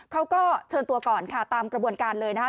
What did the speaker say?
เขาก็เชิญตัวก่อนค่ะตามกระบวนการเลยนะคะ